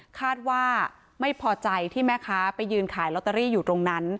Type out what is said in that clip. คาดว่าไม่พอใจที่แม่ค้าไปยืนขายลอตเตอรี่อยู่ตรงนั้น